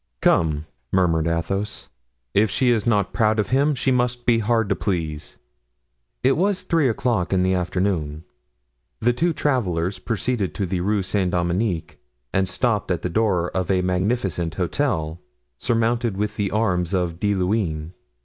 "Come," murmured Athos, "if she is not proud of him, she must be hard to please." It was three o'clock in the afternoon. The two travelers proceeded to the Rue Saint Dominique and stopped at the door of a magnificent hotel, surmounted with the arms of De Luynes.